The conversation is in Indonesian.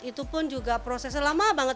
itu pun juga prosesnya lama banget